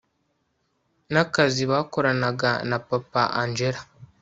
nakazi bakoranaga na papa angella